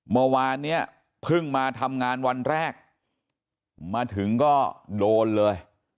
เมื่อวานเนี่ยเพิ่งมาทำงานวันแรกมาถึงก็โดนเลย